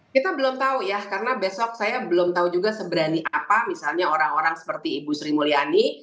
kita belum tahu ya karena besok saya belum tahu juga seberani apa misalnya orang orang seperti ibu sri mulyani